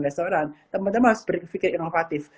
restoran teman teman harus berpikir inovatif